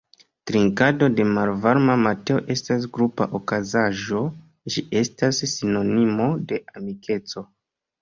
Trinkado de malvarma mateo estas grupa okazaĵo, ĝi estas sinonimo de amikeco.